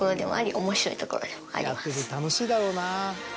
やってて楽しいだろうな。